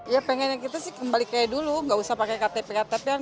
ya pengennya kita sih kembali kayak dulu enggak usah pakai ktp ktpan